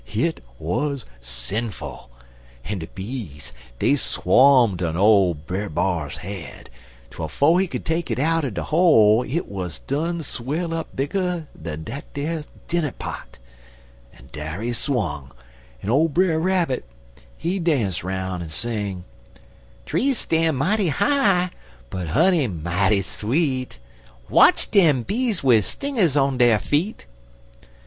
Hit wuz sinful. En de bees dey swawm'd on Brer B'ar's head, twel 'fo' he could take it out'n de hole hit wuz done swell up bigger dan dat dinner pot, en dar he swung, en ole Brer Rabbit, he dance 'roun' en sing: "Tree stan' high, but honey mighty sweet Watch dem bees wid stingers on der feet.'